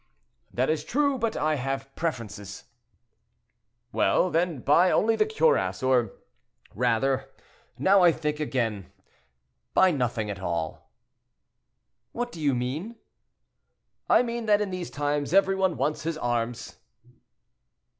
"That is true, but I have preferences." "Well, then, buy only the cuirass, or rather—now I think again—buy nothing at all." "What do you mean?" "I mean that in these times every one wants his arms."